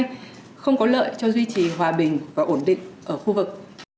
không có lợi cho duy trì hòa bình và ổn định ở khu vực